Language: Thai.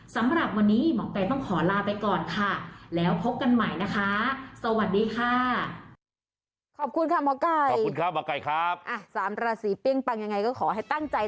สำหรับวันนี้หมอไก่ต้องขอลาไปก่อนค่ะแล้วพบกันใหม่นะคะสวัสดีค่ะ